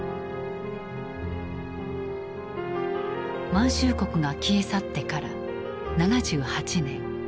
満州国が消え去ってから７８年。